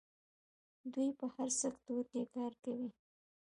دوی په هر سکتور کې کار کوي.